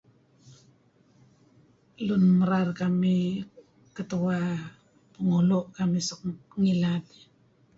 Lun merar kamih ketuah Pengulo' kamih suk ngilad.